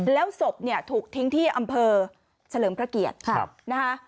แล้วศพถูกทิ้งที่อำเภอเฉลิมพระเกียรติครับ